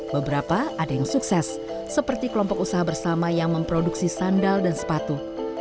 beberapa ada yang sukses seperti kelompok usaha bersama yang memproduksi sandal dan sepatu